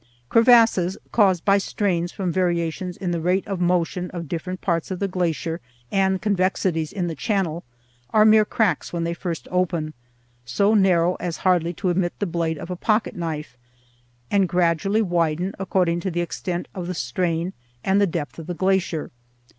Crevasses, caused by strains from variations in the rate of motion of different parts of the glacier and convexities in the channel, are mere cracks when they first open, so narrow as hardly to admit the blade of a pocket knife, and gradually widen according to the extent of the strain and the depth of the glacier.